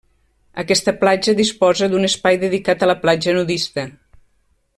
Aquesta platja disposa d'un espai dedicat a platja nudista.